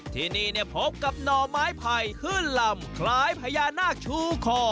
ที่นี่พบกับหน่อไม้ไผ่ขึ้นลำคล้ายพญานาคชูคอ